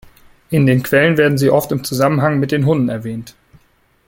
In den Quellen werden sie oft im Zusammenhang mit den Hunnen erwähnt.